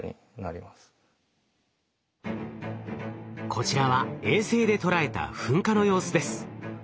こちらは衛星で捉えた噴火の様子です。